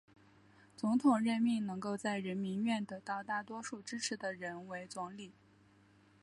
总统任命能够在人民院得到大多数支持的人为总理。